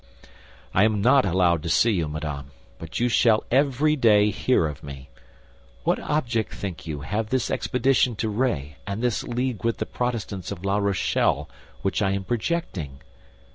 I am not allowed to see you, madame, but you shall every day hear of me. What object, think you, have this expedition to Ré and this league with the Protestants of La Rochelle which I am projecting?